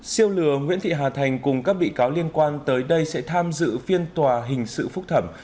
siêu lừa nguyễn thị hà thành cùng các bị cáo liên quan tới đây sẽ tham dự phiên tòa hình sự phúc thẩm